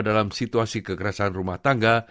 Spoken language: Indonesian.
dalam situasi kekerasan rumah tangga